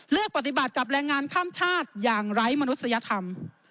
เลือกปฏิบัติกับแรงงานข้ามชาติอย่างไร้มนุษยธรรม